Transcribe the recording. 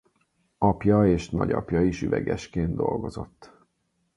Apja és nagyapja is üvegesként dolgozott.